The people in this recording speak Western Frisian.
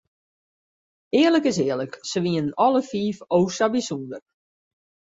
Earlik is earlik, se wienen alle fiif o sa bysûnder.